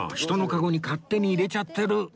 人のカゴに勝手に入れちゃってる